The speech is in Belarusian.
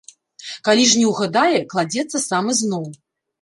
Калі ж не ўгадае, кладзецца сам ізноў.